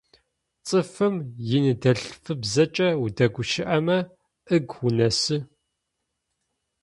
Цӏыфым иныдэлъфыбзэкӏэ удэгущыӏэмэ ыгу унэсы.